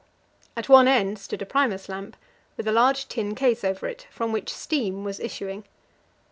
At one end stood a Primus lamp with a large tin case over it, from which steam was issuing.